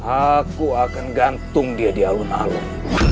aku akan gantung dia di alun alun